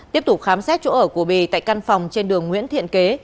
tiếp tục khám xét chỗ ở của bì tại căn phòng trên đường nguyễn thiện kế